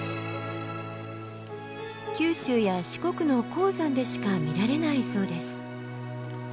九州や四国の高山でしか見られないそうです。